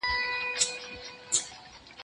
یوه ورځ صحرايي راغی پر خبرو